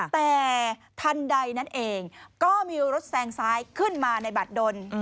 แต่ทันใดนั้นเองก็มีรถแซงซ้ายขึ้นมาในบัตรดน